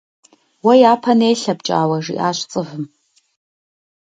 Уэ япэ нелъэ, ПкӀауэ, - жиӀащ ЦӀывым.